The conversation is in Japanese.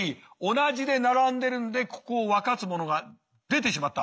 同じで並んでるんでここを分かつものが出てしまった。